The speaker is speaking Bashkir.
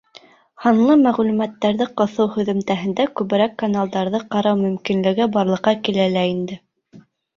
Һанлы мәғлүмәттәрҙе ҡыҫыу һөҙөмтәһендә күберәк каналдарҙы ҡарау мөмкинлеге барлыҡҡа килә лә инде.